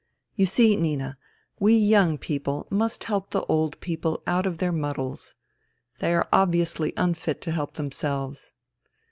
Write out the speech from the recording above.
" You see, Nina, we young people must help the old people out of their muddles. They are obviously unfit to help themselves."